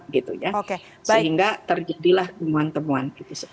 sehingga terjadilah temuan temuan